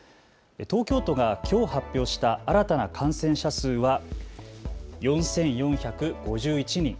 東京都がきょう発表した新たな感染者数は４４５１人。